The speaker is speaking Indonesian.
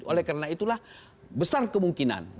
oleh karena itulah besar kemungkinan